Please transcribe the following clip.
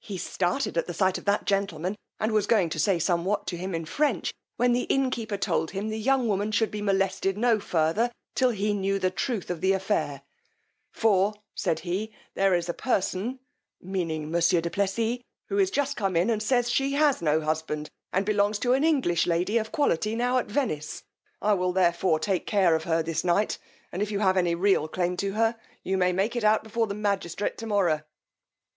He started at the sight of that gentleman, and was going to say somewhat to him in French, when the innkeeper told him, the young woman should be molested no farther till he knew the truth of the affair; for, said he, there is a person, meaning monsieur du Plessis, who is just come in, and says she has no husband, and belongs to an English lady of quality now at Venice: I will therefore take care of her this night, and if you have any real claim to her, you may make it out before the magistrate to morrow.